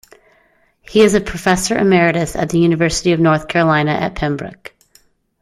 He is a professor emeritus at the University of North Carolina at Pembroke.